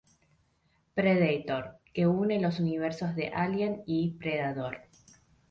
Predator", que une los universos de "Alien" y "Depredador".